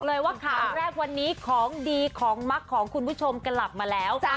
เลยว่าข่าวแรกวันนี้ของดีของมักของคุณผู้ชมกลับมาแล้ว